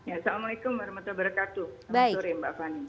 assalamualaikum warahmatullahi wabarakatuh